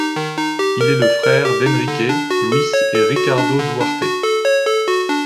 Il est le frère d'Enrique, Luis et Ricardo Duarte.